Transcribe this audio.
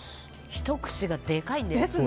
ひと口がでかいんだよ。